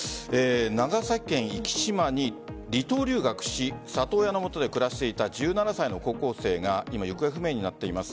長崎県壱岐島に離島留学し里親のもとで暮らしていた１７歳の高校生が行方不明になっています。